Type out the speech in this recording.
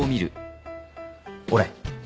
俺？